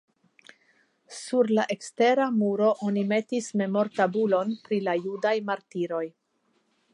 Sur la ekstera muro oni metis memortabulon pri la judaj martiroj.